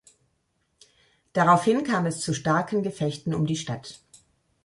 Daraufhin kam es zu starken Gefechten um die Stadt.